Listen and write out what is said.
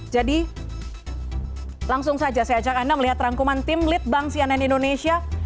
jadi langsung saja saya ajak anda melihat rangkuman tim lead bank sianen indonesia